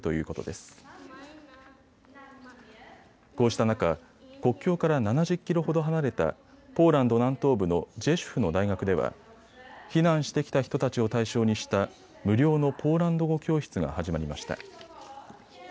こうした中、国境から７０キロほど離れたポーランド南東部のジェシュフの大学では避難してきた人たちを対象にした無料のポーランド語教室が始まりました。